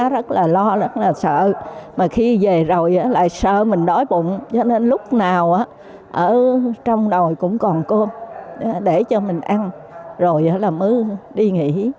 rồi lại sợ mình đói bụng cho nên lúc nào ở trong đồi cũng còn cơm để cho mình ăn rồi là mới đi nghỉ